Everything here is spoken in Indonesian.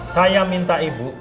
saya minta ibu